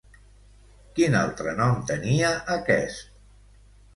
Quin altre nom tenia aquest?